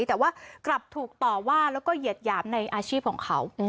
แต่ว่ากลับถูกต่อว่าแล้วก็เหยียดหยามในอาชีพของเขา